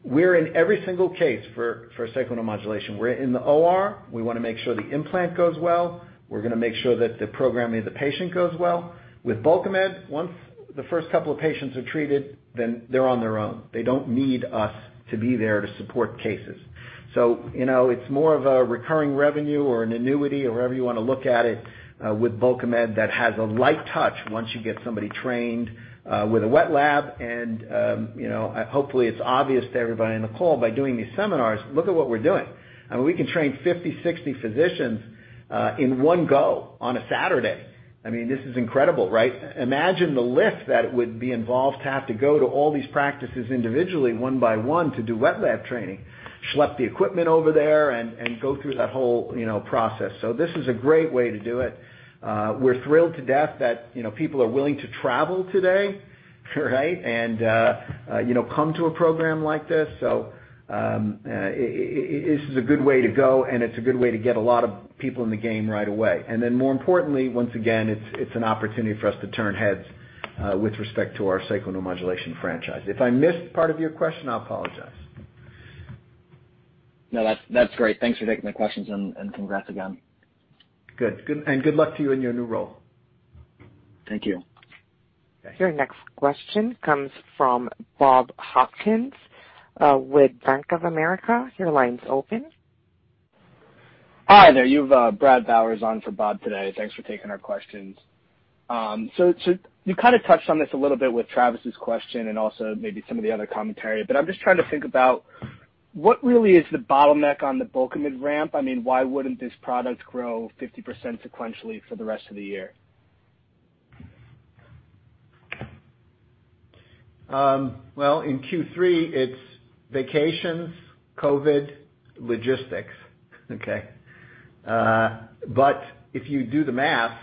We're in every single case for sacral neuromodulation. We're in the OR. We want to make sure the implant goes well. We're going to make sure that the programming of the patient goes well. With Bulkamid, once the first couple of patients are treated, then they're on their own. They don't need us to be there to support cases. It's more of a recurring revenue or an annuity, or however you want to look at it with Bulkamid that has a light touch once you get somebody trained with a wet lab, and hopefully it's obvious to everybody in the call by doing these seminars: look at what we're doing. I mean, we can train 50, 60 physicians in one go on a Saturday. I mean, this is incredible, right? Imagine the lift that would be involved to have to go to all these practices individually one by one to do wet lab training, schlep the equipment over there, and go through that whole process. This is a great way to do it. We're thrilled to death that people are willing to travel today, right? Come to a program like this. This is a good way to go, and it's a good way to get a lot of people in the game right away. More importantly, once again, it's an opportunity for us to turn heads with respect to our Sacral Neuromodulation franchise. If I missed part of your question, I apologize. No, that's great. Thanks for taking the questions. Congrats again. Good. Good luck to you in your new role. Thank you. Okay. Your next question comes from Bob Hopkins with Bank of America. Your line's open. Hi there. You have Brad Bowers on for Bob today. Thanks for taking our questions. You kind of touched on this a little bit with Travis's question and also maybe some of the other commentary, but I'm just trying to think about what really is the bottleneck on the Bulkamid ramp. I mean, why wouldn't this product grow 50% sequentially for the rest of the year? Well, in Q3, it's vacations, COVID, logistics. Okay. If you do the math,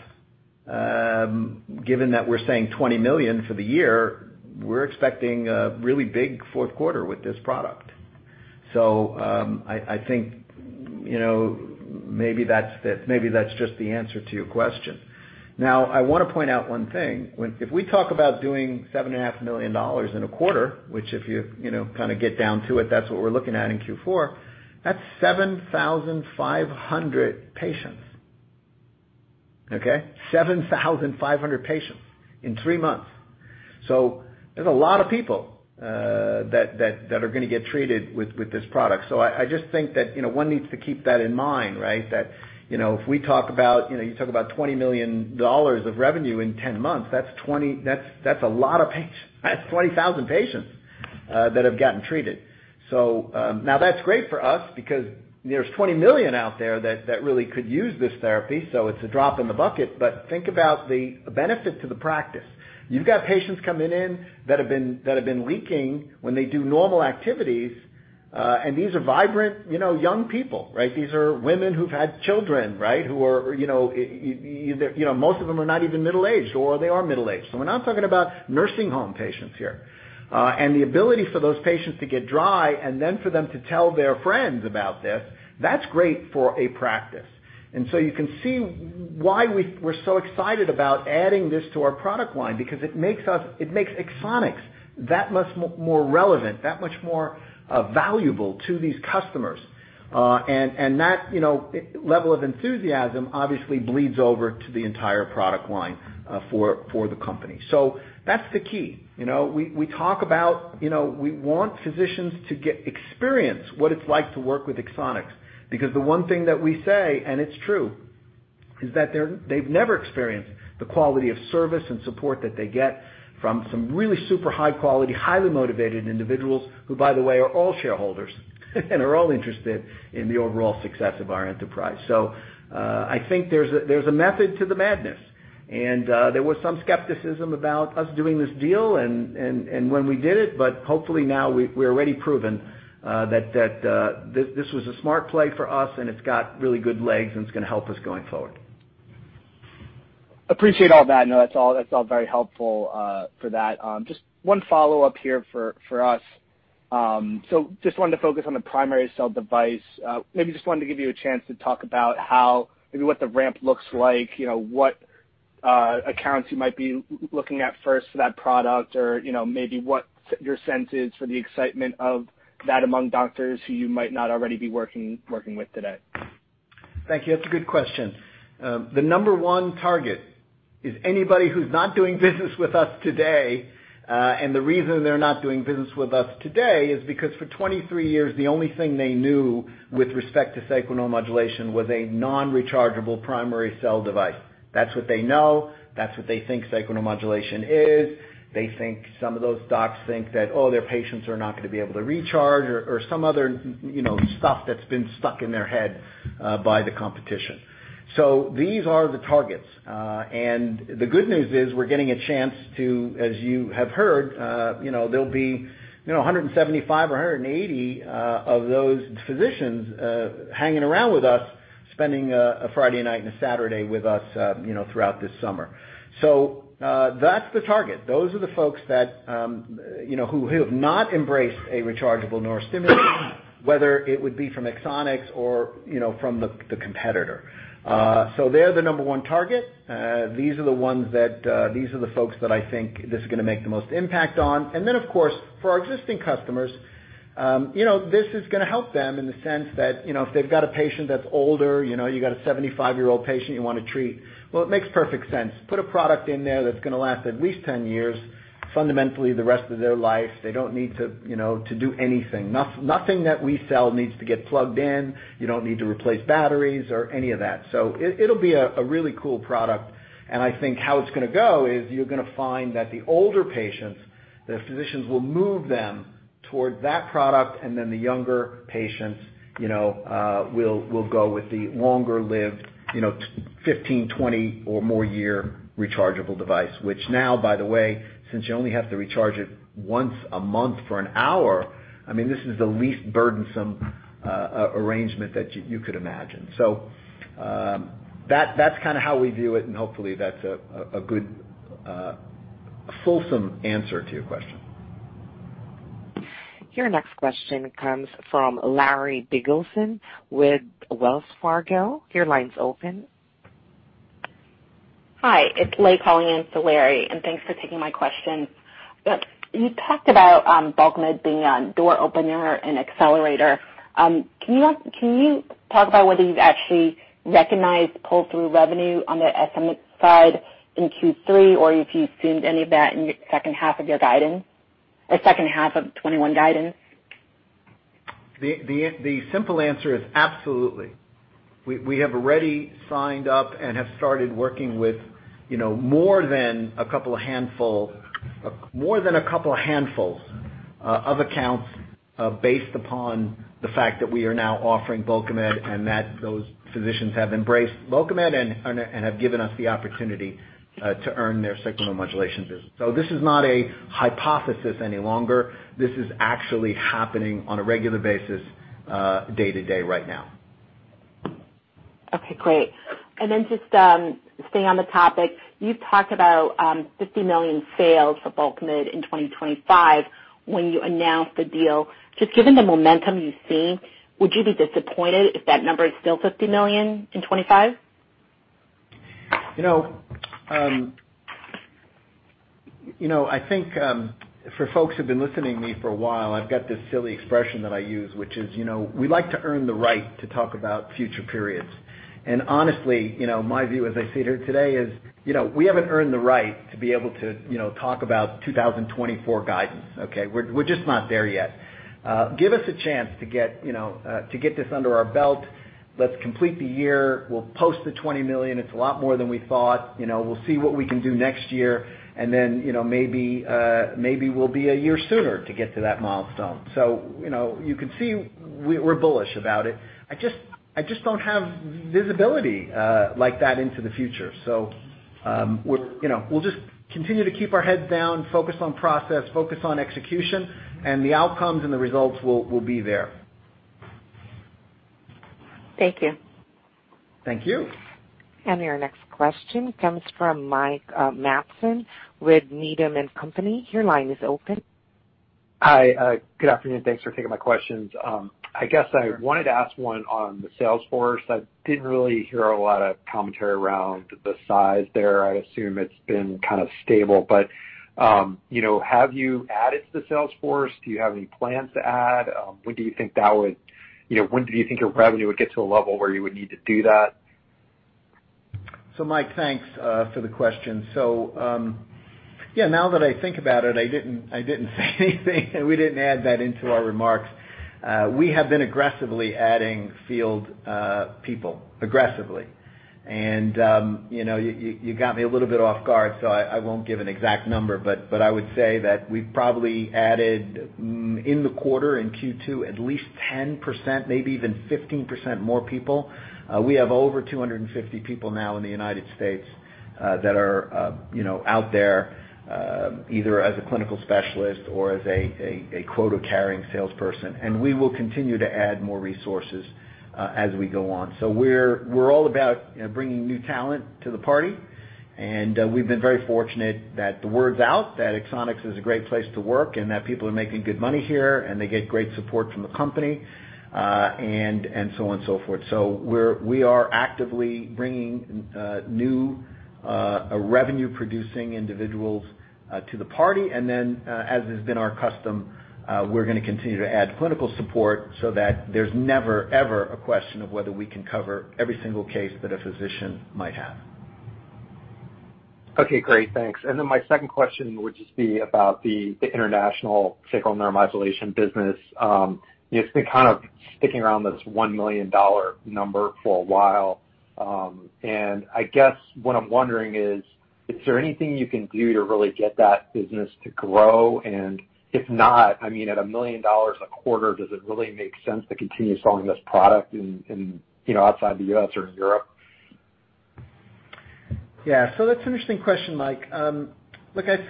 given that we're saying $20 million for the year, we're expecting a really big fourth quarter with this product. I think maybe that's just the answer to your question. Now, I want to point out one thing. If we talk about doing $7.5 million in a quarter, which, if you kind of get down to it, that's what we're looking at in Q4, that's 7,500 patients. Okay. 7,500 patients in three months. There's a lot of people that are going to get treated with this product. I just think that one needs to keep that in mind. If we talk about $20 million of revenue in 10 months, that's a lot of patients. That's 20,000 patients that have gotten treated. That's great for us because there's 20 million out there that really could use this therapy, so it's a drop in the bucket, but think about the benefit to the practice. You've got patients coming in that have been leaking when they do normal activities. These are vibrant young people, right? These are women who've had children, right? Most of them are not even middle-aged, or they are middle-aged. We're not talking about nursing home patients here. The ability for those patients to get dry and then for them to tell their friends about this, that's great for a practice. You can see why we're so excited about adding this to our product line because it makes Axonics that much more relevant, that much more valuable to these customers. That level of enthusiasm obviously bleeds over to the entire product line for the company. That's the key. We talk about we want physicians to experience what it's like to work with Axonics because the one thing that we say, and it's true, is that they've never experienced the quality of service and support that they get from some really super high-quality, highly motivated individuals who, by the way, are all shareholders and are all interested in the overall success of our enterprise. I think there's a method to the madness. There was some skepticism about us doing this deal and when we did it, but hopefully now we're already proven that this was a smart play for us, and it's got really good legs, and it's going to help us going forward. Appreciate all that. No, that's all very helpful for that. Just one follow-up here for us. Just wanted to focus on the primary cell device. Maybe just wanted to give you a chance to talk about maybe what the ramp looks like, what accounts you might be looking at first for that product, or maybe what your sense is for the excitement of that among doctors who you might not already be working with today. Thank you. That's a good question. The number one target is anybody who's not doing business with us today. The reason they're not doing business with us today is because for 23 years, the only thing they knew with respect to sacral neuromodulation was a non-rechargeable primary cell device. That's what they know. That's what they think sacral neuromodulation is. They think some of those docs think that, oh, their patients are not going to be able to recharge or some other stuff that's been stuck in their head by the competition. These are the targets. The good news is we're getting a chance to, as you have heard, there'll be 175 or 180 of those physicians hanging around with us, spending a Friday night and a Saturday with us throughout this summer. That's the target. Those are the folks who have not embraced a rechargeable neurostimulator, whether it would be from Axonics or from the competitor. They're the number one target. These are the folks that I think this is going to make the most impact on. Of course, for our existing customers, this is going to help them in the sense that if they've got a patient that's older, you got a 75-year-old patient you want to treat. It makes perfect sense. Put a product in there that's going to last at least 10 years, fundamentally the rest of their lives. They don't need to do anything. Nothing that we sell needs to get plugged in. You don't need to replace batteries or any of that. It'll be a really cool product, and I think how it's going to go is you're going to find that the older patients, their physicians will move them towards that product, and then the younger patients will go with the longer-lived 15, 20, or more year rechargeable device. Which now, by the way, since you only have to recharge it once a month for an hour, is the least burdensome arrangement that you could imagine. That's kind of how we view it, and hopefully that's a good, fulsome answer to your question. Your next question comes from Larry Biegelsen with Wells Fargo. Your line's open. Hi, it's Leigh calling in for Larry. Thanks for taking my question. You talked about Bulkamid being a door opener and accelerator. Can you talk about whether you've actually recognized pull-through revenue on the SNM side in Q3, or if you've seen any of that in your second half of your guidance or second half of 2021 guidance? The simple answer is absolutely. We have already signed up and have started working with more than a couple of handfuls of accounts based upon the fact that we are now offering Bulkamid and that those physicians have embraced Bulkamid and have given us the opportunity to earn their sacral neuromodulation business. This is not a hypothesis any longer. This is actually happening on a regular basis day to day right now. Okay, great. Just staying on the topic, you talked about $50 million sales for Bulkamid in 2025 when you announced the deal. Just given the momentum you've seen, would you be disappointed if that number is still $50 million in 2025? I think for folks who've been listening to me for a while, I've got this silly expression that I use, which is, "We like to earn the right to talk about future periods." Honestly, my view as I sit here today is we haven't earned the right to be able to talk about 2024 guidance. Okay. We're just not there yet. Give us a chance to get this under our belt. Let's complete the year. We'll post the $20 million. It's a lot more than we thought. We'll see what we can do next year. Then maybe we'll be a year sooner to get to that milestone. You can see we're bullish about it. I just don't have visibility like that into the future. We'll just continue to keep our heads down, focus on process, focus on execution, and the outcomes and the results will be there. Thank you. Thank you. Your next question comes from Mike Matson with Needham & Company. Your line is open. Hi. Good afternoon. Thanks for taking my questions. I guess I wanted to ask one on the sales force. I didn't really hear a lot of commentary around the size there. I assume it's been kind of stable. Have you added to the sales force? Do you have any plans to add? When do you think your revenue would get to a level where you would need to do that? Mike, thanks for the question. Yeah, now that I think about it, I didn't say anything, and we didn't add that into our remarks. We have been aggressively adding field people, aggressively. You got me a little bit off guard, so I won't give an exact number, but I would say that we've probably added, in the quarter, in Q2, at least 10%, maybe even 15% more people. We have over 250 people now in the U.S. that are out there, either as clinical specialists or as a quota-carrying salesperson. We will continue to add more resources as we go on. We're all about bringing new talent to the party, and we've been very fortunate that the word's out that Axonics is a great place to work and that people are making good money here and they get great support from the company and so on and so forth. We are actively bringing new revenue-producing individuals to the party. Then, as has been our custom, we're going to continue to add clinical support so that there's never, ever a question of whether we can cover every single case that a physician might have. Okay, great. Thanks. My second question would just be about the international Sacral Neuromodulation business. It's been kind of sticking around this $1 million number for a while. I guess what I'm wondering is, is there anything you can do to really get that business to grow? If not, I mean, at $1 million a quarter, does it really make sense to continue selling this product outside the U.S. or in Europe? Yeah. That's an interesting question, Mike. Look, I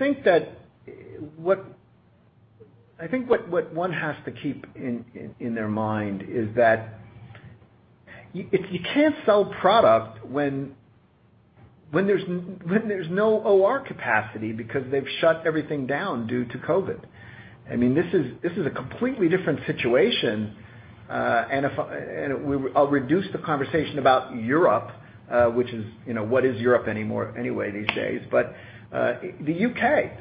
think what one has to keep in their mind is that you can't sell product when there's no OR capacity because they've shut everything down due to COVID. I mean, this is a completely different situation. I'll reduce the conversation about Europe, which is, what is Europe anymore anyway these days? The U.K.,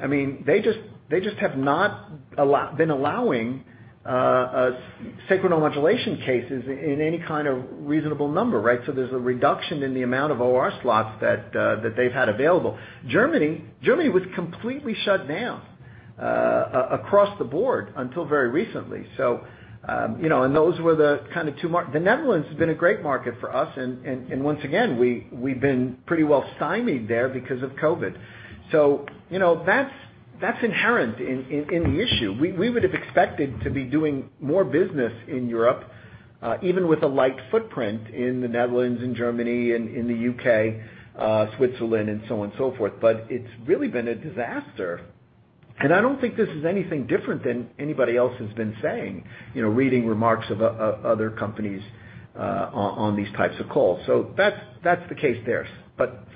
they just have not been allowing sacral neuromodulation cases in any kind of reasonable number, right? There's a reduction in the amount of OR slots that they've had available. Germany was completely shut down across the board until very recently. Those were the kind of two. The Netherlands has been a great market for us, and once again, we've been pretty well stymied there because of COVID. That's inherent in the issue. We would've expected to be doing more business in Europe, even with a light footprint in the Netherlands and Germany and in the U.K., Switzerland, and so on and so forth; it's really been a disaster. I don't think this is anything different than anybody else has been saying, reading remarks of other companies on these types of calls. That's the case there.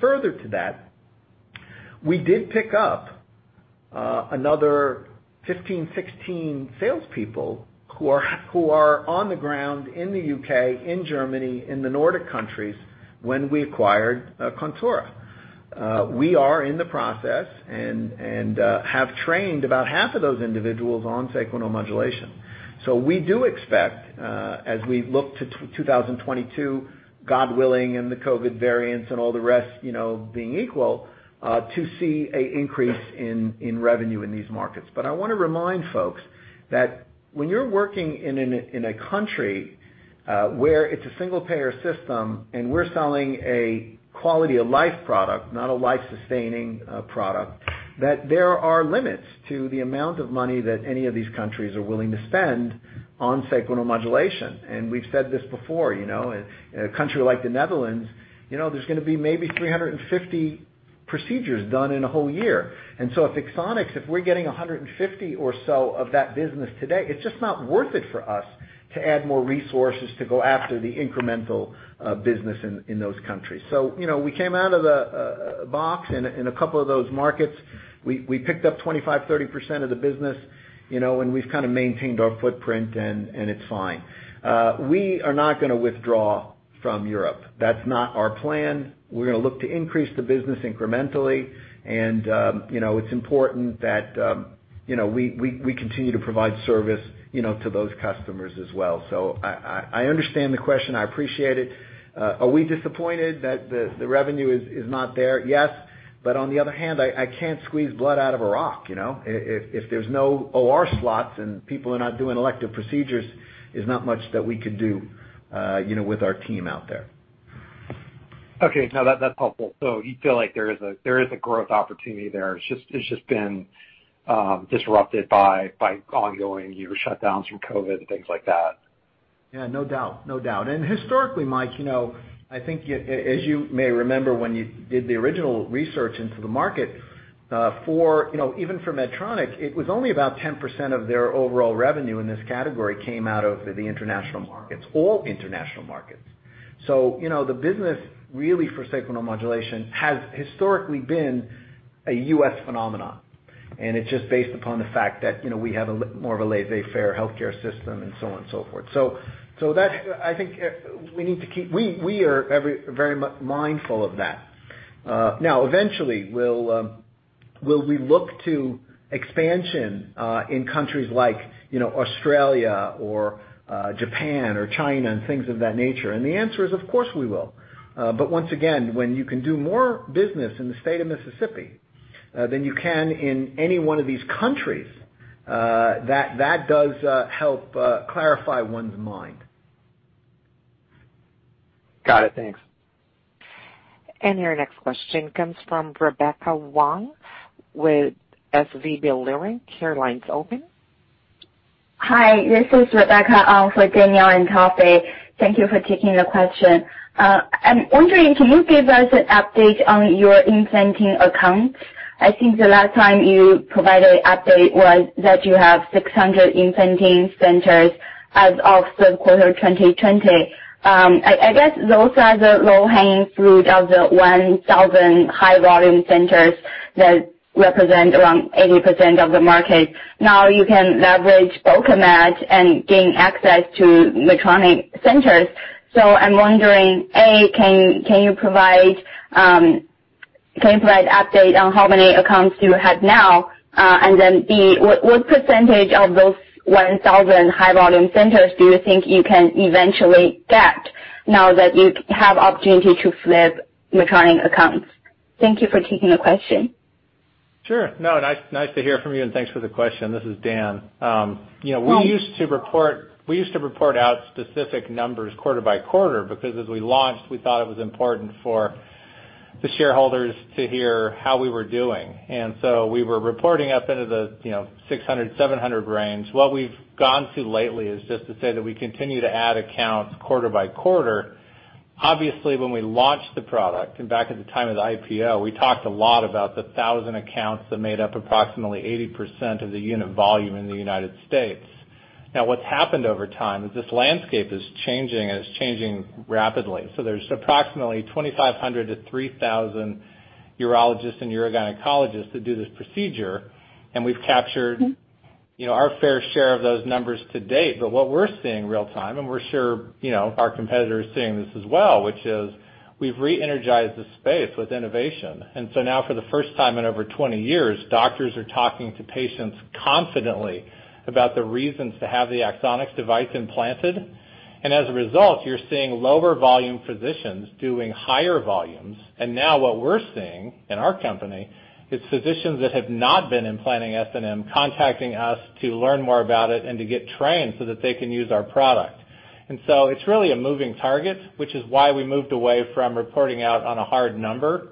Further to that, we did pick up another 15, 16 salespeople who are on the ground in the U.K., in Germany, in the Nordic countries when we acquired Contura. We are in the process and have trained about half of those individuals on sacral neuromodulation. We do expect, as we look to 2022, God willing, and the COVID variants and all the rest being equal, to see an increase in revenue in these markets. I want to remind folks that when you're working in a country where it's a single-payer system and we're selling a quality-of-life product, not a life-sustaining product, that there are limits to the amount of money that any of these countries are willing to spend on sacral neuromodulation. We've said this before. In a country like the Netherlands, there's going to be maybe 350 procedures done in a whole year. At Axonics, if we're getting 150 or so of that business today, it's just not worth it for us to add more resources to go after the incremental business in those countries. We came out of the box in a couple of those markets. We picked up 25%, 30% of the business, and we've kind of maintained our footprint, and it's fine. We are not going to withdraw from Europe. That's not our plan. We're going to look to increase the business incrementally, and it's important that we continue to provide service to those customers as well. I understand the question. I appreciate it. Are we disappointed that the revenue is not there? Yes. On the other hand, I can't squeeze blood out of a rock. If there's no OR slots and people are not doing elective procedures, there's not much that we can do with our team out there. Okay. No, that's helpful. You feel like there is a growth opportunity there. It's just been disrupted by ongoing shutdowns from COVID and things like that. Yeah, no doubt. Historically, Mike, I think as you may remember, when you did the original research into the market, even for Medtronic, it was only about 10% of their overall revenue in this category came out of the international markets, all international markets. The business really for sacral neuromodulation has historically been a U.S. phenomenon, and it's just based upon the fact that we have a more of a laissez-faire healthcare system and so on and so forth. We are very mindful of that. Now, eventually, will we look to expansion in countries like Australia or Japan or China and things of that nature? The answer is of course, we will. Once again, when you can do more business in the state of Mississippi than you can in any one of these countries, that does help clarify one's mind. Got it. Thanks. Your next question comes from Rebecca Wang with SVB Leerink. Your line's open. Hi, this is Rebecca Wang with Danielle in copy. Thank you for taking the question. I'm wondering, can you give us an update on your implanting accounts? I think the last time you provided update was that you have 600 implanting centers as of third quarter 2020. I guess those are the low-hanging fruit of the 1,000 high-volume centers that represent around 80% of the market. Now you can leverage Bulkamid and gain access to Medtronic centers. I'm wondering, A, can you provide update on how many accounts you have now? B, what percentage of those 1,000 high-volume centers do you think you can eventually get now that you have opportunity to flip Medtronic accounts? Thank you for taking the question. Sure. No, nice to hear from you, and thanks for the question. This is Dan. We used to report out specific numbers quarter by quarter because as we launched, we thought it was important for the shareholders to hear how we were doing. We were reporting up into the 600, 700 range. What we've gone to lately is just to say that we continue to add accounts quarter by quarter. Obviously, when we launched the product and back at the time of the IPO, we talked a lot about the 1,000 accounts that made up approximately 80% of the unit volume in the U.S. Now what's happened over time is this landscape is changing, and it's changing rapidly. There's approximately 2,500 to 3,000 urologists and urogynecologists that do this procedure, and we've captured our fair share of those numbers to date. What we're seeing real-time, and we're sure our competitor is seeing this as well, which is we've re-energized the space with innovation. Now for the first time in over 20 years, doctors are talking to patients confidently about the reasons to have the Axonics device implanted. As a result, you're seeing lower-volume physicians doing higher volumes. Now what we're seeing in our company is physicians that have not been implanting SNM contacting us to learn more about it and to get trained so that they can use our product. It's really a moving target, which is why we moved away from reporting out on a hard number.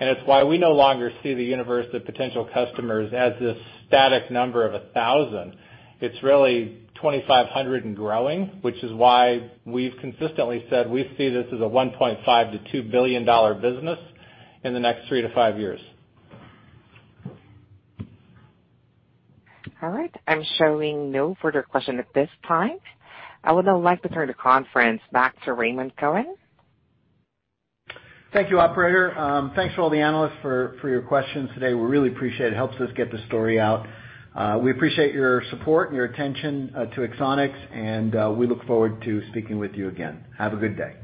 It's why we no longer see the universe of potential customers as this static number of 1,000. It's really 2,500 and growing, which is why we've consistently said we see this as a $1.5 billion-$2 billion business in the next three to five years. All right. I'm showing no further questions at this time. I would now like to turn the conference back to Raymond Cohen. Thank you, operator. Thanks for all the analysts for your questions today. We really appreciate it. It helps us get the story out. We appreciate your support and your attention to Axonics, and we look forward to speaking with you again. Have a good day.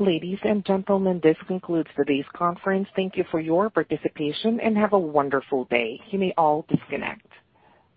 Ladies and gentlemen, this concludes today's conference. Thank you for your participation, and have a wonderful day. You may all disconnect.